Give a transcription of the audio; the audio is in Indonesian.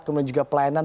kemudian juga pelayanan